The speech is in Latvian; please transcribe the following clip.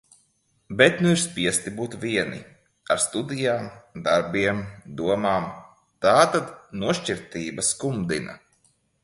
Bet nu ir spiesti būt vieni. Ar studijām, darbiem, domām. Tātad nošķirtība skumdina.